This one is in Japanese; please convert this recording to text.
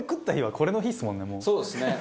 そうですね。